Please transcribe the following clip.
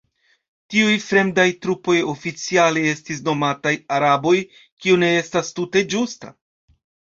Tiuj fremdaj trupoj oficiale estis nomataj "araboj", kio ne estas tute ĝusta.